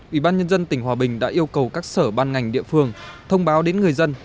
ủy ban nhân dân tỉnh hòa bình đã yêu cầu các sở ban ngành địa phương thông báo đến người dân